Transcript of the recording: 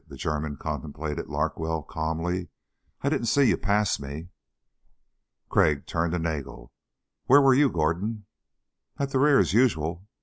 The German contemplated Larkwell calmly. "I didn't see you pass me." Crag turned to Nagel. "Where were you, Gordon?" "At the rear, as usual."